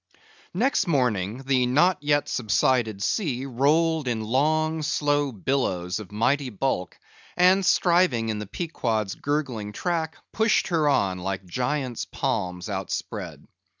Next morning the not yet subsided sea rolled in long slow billows of mighty bulk, and striving in the Pequod's gurgling track, pushed her on like giants' palms outspread.